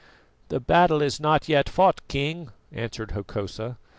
"The battle is not yet fought, King," answered Hokosa.